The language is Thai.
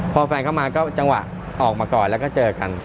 พอแฟนเข้ามาก็จังหวะออกมาก่อนแล้วก็เจอกัน